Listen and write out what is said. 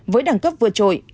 với đẳng cấp vừa trội